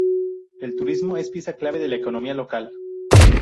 El turismo es pieza clave de la economía local.